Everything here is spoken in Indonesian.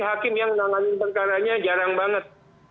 hakim yang menangani perkaranya jarang banget